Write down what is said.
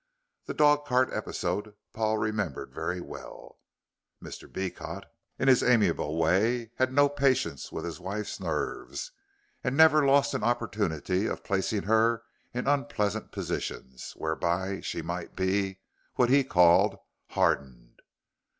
The dog cart episode Paul remembered very well. Mr. Beecot, in his amiable way, had no patience with his wife's nerves, and never lost an opportunity of placing her in unpleasant positions, whereby she might be, what he called, hardened.